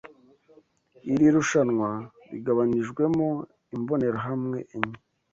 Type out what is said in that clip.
Iri rushanwa rigabanijwemo imbonerahamwe enye